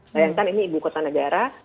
bayangkan ini ibu kota negara